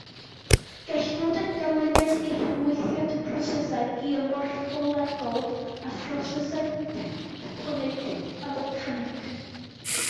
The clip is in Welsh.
Gall fod yn ganlyniad i ryngweithiad prosesau geomorffolegol a phrosesau tectonig a folcanig.